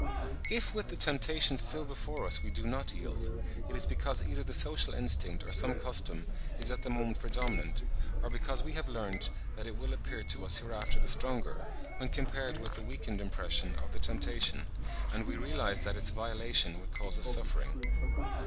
If with the temptation still before us we do not yield, it is because either the social instinct or some custom is at the moment predominant, or because we have learnt that it will appear to us hereafter the stronger, when compared with the weakened impression of the temptation, and we realise that its violation would cause us suffering.